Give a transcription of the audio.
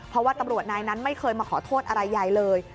เพราะว่าตำรวจนายนั้นไม่เคยมาขอโทษอะไรยายเลย